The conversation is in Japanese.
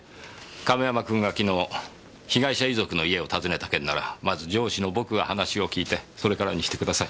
亀山君が昨日被害者遺族の家を訪ねた件ならまず上司の僕が話を訊いてそれからにしてください。